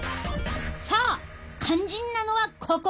さあ肝心なのはここからやで。